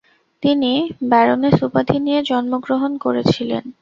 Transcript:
তিনি ব্যারোনেস উপাধি নিয়ে জন্মগ্রহণ করেছিলেন।